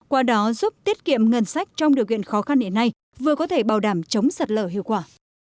qua đó giúp tiết kiệm ngân sách trong điều kiện khó khăn hiện nay vừa có thể bảo đảm chống sạt lở hiệu quả